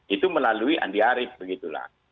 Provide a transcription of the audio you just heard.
itu melalui andi arief begitulah